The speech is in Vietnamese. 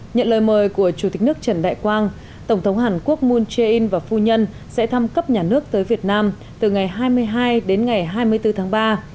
nhận lời mời của chủ tịch nước trần đại quang tổng thống hàn quốc moon jae in và phu nhân sẽ thăm cấp nhà nước tới việt nam từ ngày hai mươi hai đến ngày hai mươi bốn tháng ba